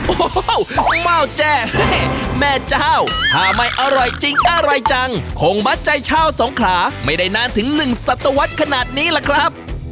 โอ้โหเม่าแจ้แม่เจ้าถ้าไม่อร่อยจริงอร่อยจังคงมัดใจชาวสงขราไม่ได้นานถึง๑สัตวรรษขนาดนี้ล่ะครับ